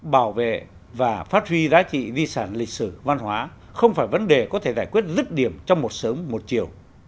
bảo vệ và phát huy giá trị di sản lịch sử văn hóa không phải vấn đề có thể giải quyết rứt điểm trong một sớm một chiều